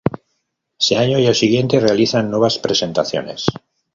Ese año y el siguiente realizan nuevas presentaciones.